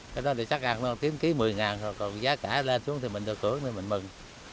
cái đó thì chắc hẳn nó tiến ký một mươi rồi còn giá cả lên xuống thì mình được ước nên mình mừng